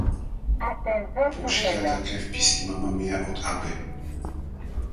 Použita je také v písni Mamma Mia od Abby.